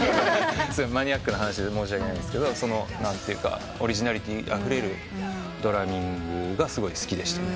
マニアックな話で申し訳ないですけどオリジナリティーあふれるドラミングがすごい好きでした。